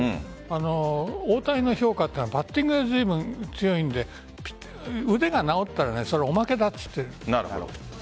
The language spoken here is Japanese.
大谷の評価はバッティングが随分強いので腕が治ったらおまけだと言っている。